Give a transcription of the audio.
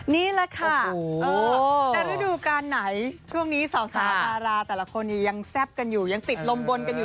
นี่แหละค่ะแต่ฤดูการไหนช่วงนี้สาวดาราแต่ละคนยังแซ่บกันอยู่ยังติดลมบนกันอยู่